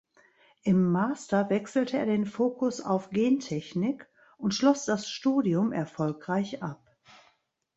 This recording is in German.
Im Master wechselte er den Fokus auf Gentechnik und schloss das Studium erfolgreich ab.